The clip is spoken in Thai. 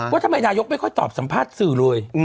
ว่าทำไมนายกไม่ค่อยตอบสัมภาษณ์สื่อเลย